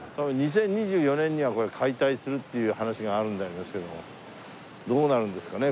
２０２４年には解体するっていう話があるみたいですけどもどうなるんですかね？